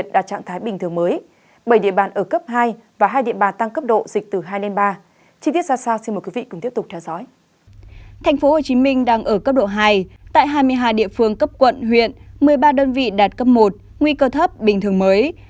thành phố hồ chí minh đang ở cấp độ hai tại hai mươi hai địa phương cấp quận huyện một mươi ba đơn vị đạt cấp một nguy cơ thấp bình thường mới